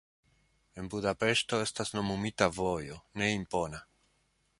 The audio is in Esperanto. En Budapeŝto estas nomumita vojo, ne impona.